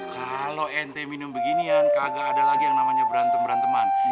kalau ente minum beginian gak ada lagi yang namanya berantem beranteman